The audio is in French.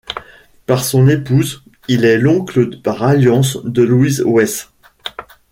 Par son épouse, il est l'oncle par alliance de Louise Weiss.